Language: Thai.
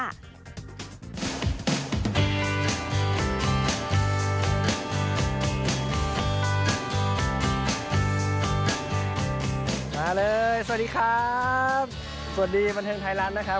มาเลยสวัสดีครับสวัสดีบันเทิงไทยรัฐนะครับ